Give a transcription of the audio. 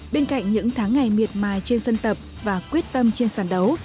bên cạnh những tháng ngày miệt mài trên sân tập và quyết tâm trên sàn đấu